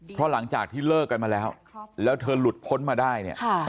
เพราะหลังจากที่เลิกกันมาแล้วแล้วเธอหลุดพ้นมาได้เนี่ย